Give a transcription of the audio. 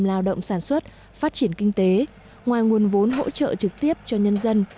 lao động sản xuất phát triển kinh tế ngoài nguồn vốn hỗ trợ trực tiếp cho nhân dân